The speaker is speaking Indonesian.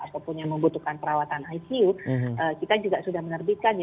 kita juga sudah menerbitkan